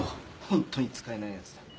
本当に使えない奴だ。